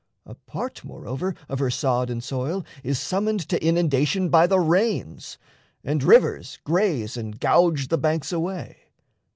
A part, moreover, of her sod and soil Is summoned to inundation by the rains; And rivers graze and gouge the banks away.